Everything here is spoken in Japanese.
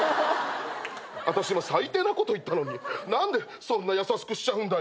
あたし今最低なこと言ったのに何でそんな優しくしちゃうんだよ。